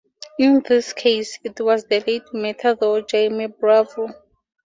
In this case, it was the late Matador Jaime Bravo.